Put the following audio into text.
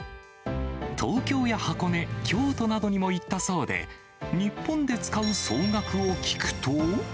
東京や箱根、京都などにも行ったそうで、日本で使う総額を聞くと。